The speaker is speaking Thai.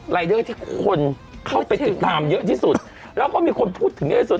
รายเดอร์ที่คนเข้าไปติดตามเยอะที่สุดแล้วก็มีคนพูดถึงเยอะสุด